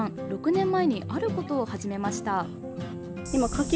６年前に、あることを始めました。